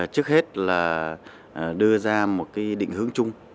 trước hết là đưa ra một cái định hướng chung